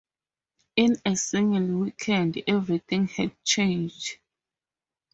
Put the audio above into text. In a single weekend everything had changed.